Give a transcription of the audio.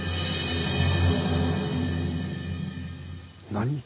何？